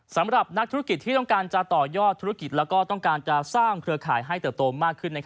สำหรับนักธุรกิจที่ต้องการจะต่อยอดธุรกิจและต้องการจะสร้างเครือข่ายให้เติบโตมากขึ้น